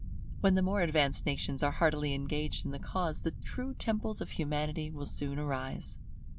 When the more advanced nations are heartily engaged in the cause, the true temples of Humanity will soon arise.